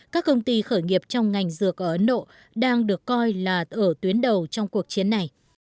các công ty khởi nghiệp trong ngành dược ở ấn độ đang được coi là ở tuyến đầu trong cuộc chiến này